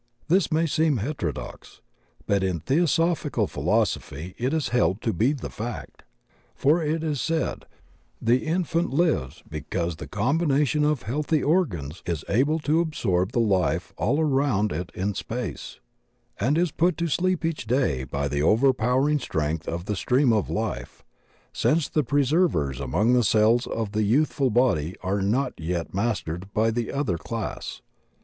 This may seem heterodox, but in Theosophical philosophy it is held to be the fact. For, it is said. 36 THE OCEAN OF THEOSOPHY the infant lives because the combination of healthy organs is able to absorb the life all around it in space, and is put to sleep each day by the overpowering strength of the stream of life, since the preservers among the cells of the youthful body are not yet mas tered by the other class.